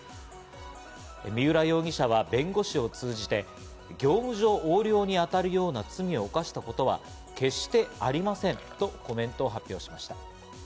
三浦容疑者は弁護士を通じて、業務上横領に当たるような罪を犯したことは決してありませんとコメントを発表しました。